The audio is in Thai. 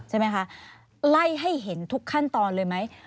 ใช่ไหมคะไล่ให้เห็นทุกขั้นตอนเลยไหม